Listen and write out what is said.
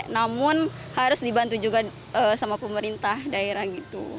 namun harus dibantu juga sama pemerintah daerah gitu